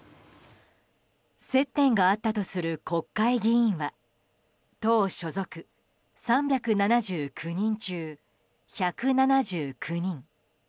接点があったとする国会議員は党所属３７９人中１７９人。